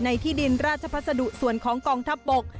ที่ดินราชภัสดุส่วนของกองทัพบก